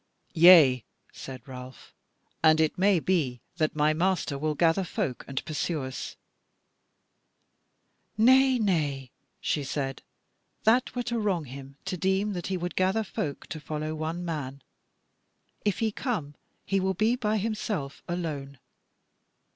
"Yea," said Ralph, "and it may be that my master will gather folk and pursue us." "Nay, nay," she said, "that were to wrong him, to deem that he would gather folk to follow one man; if he come, he will be by himself alone.